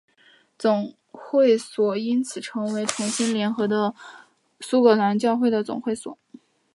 总会所因此成为重新联合的苏格兰教会的总会所。